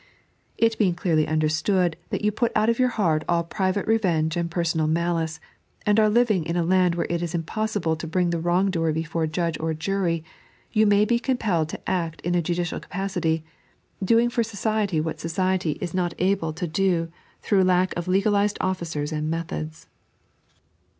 It being clearly understood that you put out of your heart all private revenge and personal malice, and are living in a land where it is impossible to bring the wrong doer before judge or jury, you may be compelled to act in a judicial capacity, doing for society what society is not able to do 3.n.iized by Google 80 The Second Mile. through Uck of legaliaed officers and methods.